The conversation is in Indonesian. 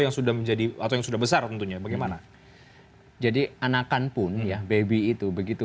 yang sudah menjadi atau yang sudah besar tentunya bagaimana jadi anakan pun ya baby itu begitu